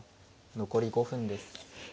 残り５分です。